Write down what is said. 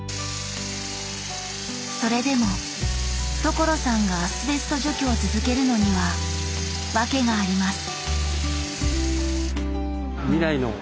それでも所さんがアスベスト除去を続けるのには訳があります